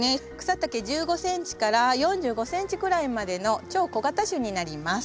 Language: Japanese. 草丈１５ｃｍから４５ｃｍくらいまでの超小型種になります。